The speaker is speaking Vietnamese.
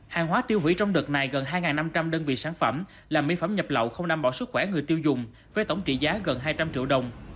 hàng hóa tiêu hủy trong đợt này gần hai năm trăm linh đơn vị sản phẩm làm mỹ phẩm nhập lậu không đảm bảo sức khỏe người tiêu dùng với tổng trị giá gần hai trăm linh triệu đồng